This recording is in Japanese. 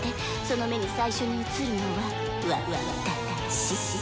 その目に最初に映るのはワ・タ・シ！